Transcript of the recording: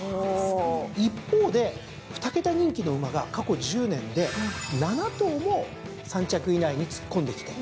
一方で２桁人気の馬が過去１０年で７頭も３着以内に突っ込んできて。